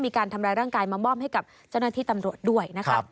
มีการทำร้ายร่างกายมามอบให้กับเจ้าหน้าที่ตำรวจด้วยนะครับ